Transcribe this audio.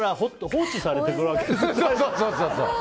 放置されているわけですね。